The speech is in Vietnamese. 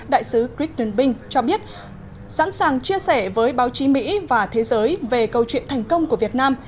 đại sứ christen bing cho biết sẵn sàng chia sẻ với báo chí mỹ và thế giới về câu chuyện thành công của việt nam